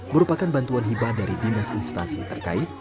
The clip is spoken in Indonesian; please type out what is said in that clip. merupakan bantuan hibah dari dinas instasi terkait